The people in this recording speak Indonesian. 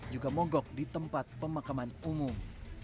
juga mogok di tempat pemakaman umum